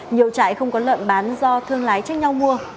nhiều trại không có lợn bán do thương lái tranh nhau mua